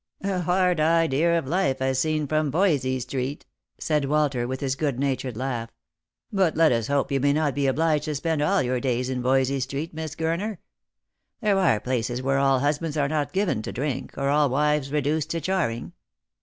" A hard idea of life, as seen from Voysey street," said Walter, Lost for Love. 65 with his good natured laugh. "But let us hope you may not be obliged to spend all your days in Voysey street, Miss Gurner. There are places where all husbands are not given to drink, or all wives reduced to charing."